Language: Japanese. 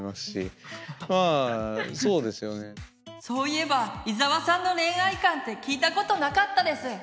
そういえば伊沢さんの恋愛観って聞いたことなかったです。